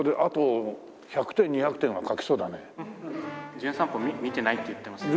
『じゅん散歩』見てないって言ってましたけど。